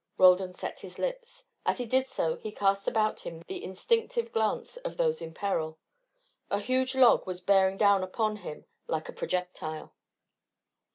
Roldan set his lips. As he did so he cast about him the instinctive glance of those in peril. A huge log was bearing down upon him like a projectile.